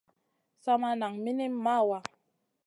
Sa maʼa nan minim mawaa.